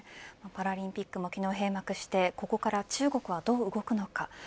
パラリンピックも昨日閉幕してここから中国はどう動くのか。